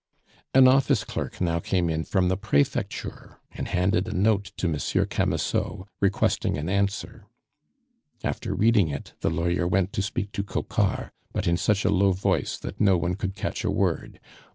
An office clerk now came in from the Prefecture, and handed a note to Monsieur Camusot, requesting an answer. After reading it the lawyer went to speak to Coquart, but in such a low voice that no one could catch a word.